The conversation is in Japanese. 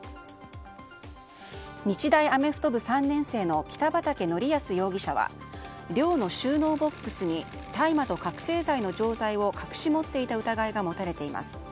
日大アメフト部３年生の北畠成文容疑者は寮の収納ボックスに大麻と覚醒剤の錠剤を隠し持っていた疑いが持たれています。